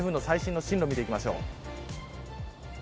台風の最新の進路を見ていきましょう。